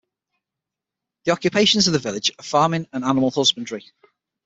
The occupations of the village are farming and animal husbandry.